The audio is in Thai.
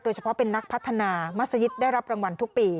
เฉพาะเป็นนักพัฒนามัศยิตได้รับรางวัลทุกปี